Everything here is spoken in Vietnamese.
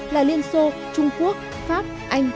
là liên xô trung quốc pháp anh